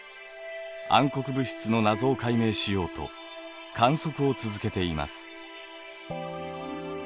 暗黒物質の謎を解明しようと観測を続けています。